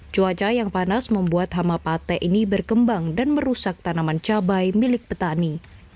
cuaca yang panas membuat hama pate ini berkembang dan merusak tanaman cabai milik petani